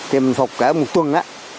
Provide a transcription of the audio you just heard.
thì mình phục cả một tuần đó